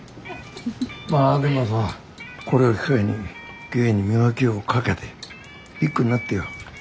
まぁでもさこれを機会に芸に磨きをかけてビッグになってよ。